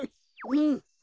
うん！